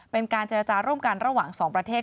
เป็นการเจรจาร่วมกันระหว่างสองประเทศ